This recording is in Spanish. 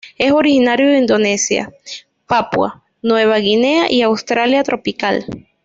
Es originario de Indonesia, Papua Nueva Guinea, y Australia tropical.